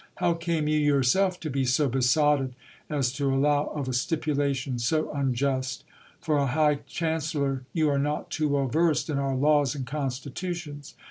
How came you yourself to be so besotted as to allow of a stipulation so unjust ? For a high chancellor, you are not too well versed in our laws and constitutions.